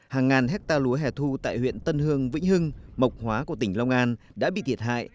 hàng ngàn hectare lúa hẻ thu tại huyện tân hưng vĩnh hưng mộc hóa của tỉnh long an đã bị thiệt hại